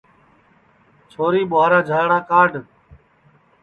چھوری ٻُہارا جھاڑا کاڈؔ